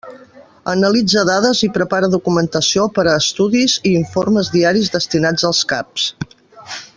Analitza dades i prepara documentació per a estudis i informes diaris destinats als caps.